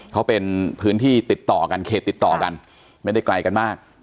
เขาเป็นพื้นที่ติดต่อกันเขตติดต่อกันไม่ได้ไกลกันมาก